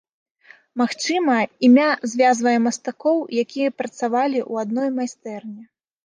Магчыма, імя звязвае мастакоў, якія працавалі ў адной майстэрні.